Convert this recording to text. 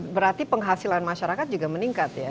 berarti penghasilan masyarakat juga meningkat ya